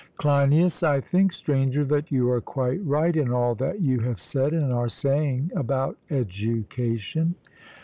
CLEINIAS: I think, Stranger, that you are quite right in all that you have said and are saying about education.